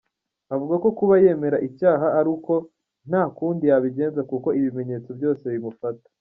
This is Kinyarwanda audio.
Avuga ko kuba yemera icyaha ari uko nta kundi yabigenza kuko ibimenyetso byose bimufata.